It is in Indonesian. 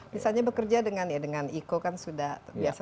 misalnya bekerja dengan iko kan sudah biasa